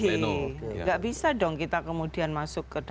tidak bisa dong kita kemudian masuk ke dalam